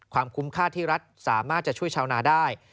คุ้มค่าที่รัฐสามารถจะช่วยชาวนาได้